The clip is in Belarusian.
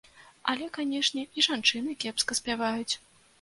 Але, канешне, і жанчыны кепска спяваюць.